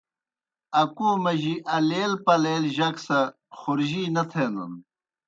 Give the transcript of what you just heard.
اکو مجیْ الَیل پلَیل جک سہ خورجی نہ تھینَن۔